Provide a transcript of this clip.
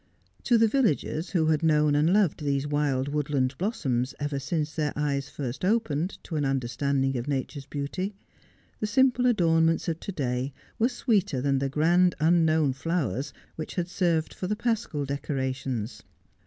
To the villagers, who had known and loved these wild woodland blossoms ever since their eyes first opened to an understanding of nature's beauty, the simple adornments of to day were sweeter than the grand unknown flowers which had served for the paschal decorations.